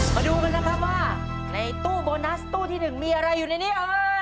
มาดูกันนะครับว่าในตู้โบนัสตู้ที่๑มีอะไรอยู่ในนี้